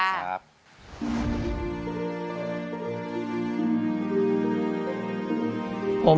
สวัสดีครับ